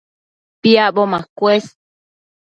Piacbo macuës